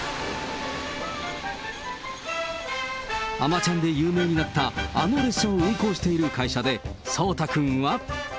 あまちゃんで有名になったあの列車を運行している会社で、聡太くんは。